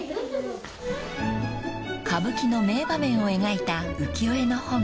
［歌舞伎の名場面を描いた浮世絵の本］